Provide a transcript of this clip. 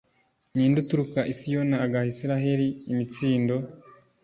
ni nde uturuka i siyoni agaha israheli imitsindo